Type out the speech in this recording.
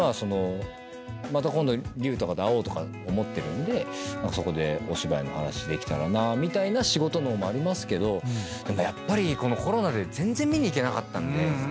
また今度リュウとかと会おうとか思ってるんでそこでお芝居の話できたらなぁみたいな仕事脳もありますけどでもやっぱりこのコロナで全然見に行けなかったんで。